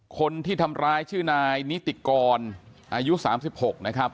คนที่ทำร้ายชื่อนายนิติกรอายุ๓๖นะครับ